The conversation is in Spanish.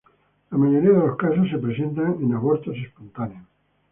La mayoría de los casos se presentan en abortos espontáneos.